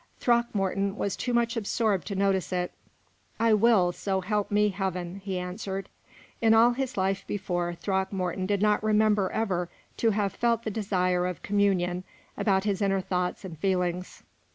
Throckmorton was too much absorbed to notice it. "I will, so help me Heaven!" he answered. In all his life before, Throckmorton did not remember ever to have felt the desire of communion about his inner thoughts and feelings.